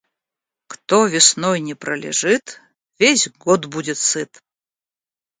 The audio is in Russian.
Кто весной не пролежит, весь год будет сыт.